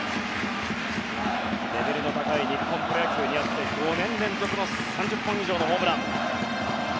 レベルの高い日本プロ野球にあって５年連続の３０本以上のホームラン。